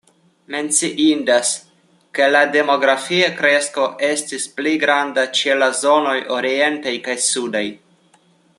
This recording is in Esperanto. Menciindas ke la demografia kresko estis pli granda ĉe la zonoj orientaj kaj sudaj.